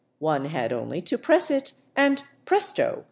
One had only to press it and presto!